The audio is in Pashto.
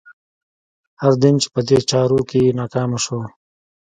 هر دین چې په دې چارو کې ناکامه شو.